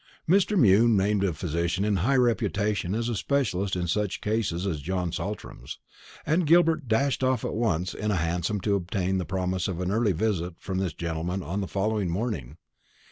Mr. Mew named a physician high in reputation as a specialist in such cases as John Saltram's; and Gilbert dashed off at once in a hansom to obtain the promise of an early visit from this gentleman on the following morning.